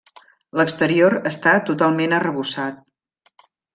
L'exterior està totalment arrebossat.